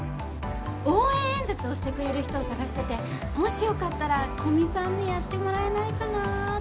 応援演説してくれる人を探してて、もしよかったら古見さんにやってもらえないかなあ。